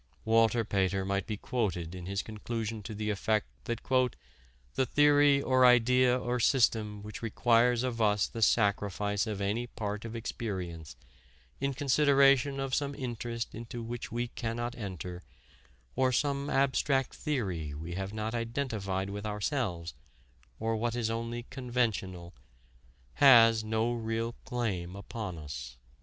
Walter Pater might be quoted in his conclusion to the effect that "the theory or idea or system which requires of us the sacrifice of any part of experience, in consideration of some interest into which we cannot enter, or some abstract theory we have not identified with ourselves, or what is only conventional, has no real claim upon us."